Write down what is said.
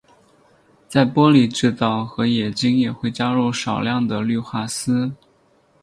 在玻璃制造和冶金也会加入少量的氯化锶。